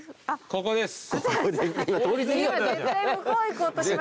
ここです。